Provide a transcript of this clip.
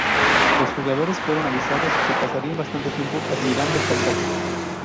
Los jugadores fueron avisados que pasarían bastante tiempo admirando el paisaje.